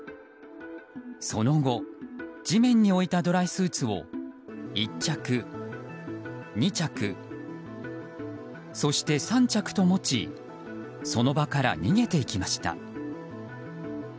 その後地面に置いたドライスーツを１着、２着そして、３着と持ちその場から逃げていきました。